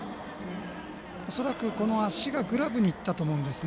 恐らく、足がグラブにいったと思うんですね。